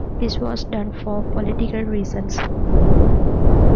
This was done for political reasons.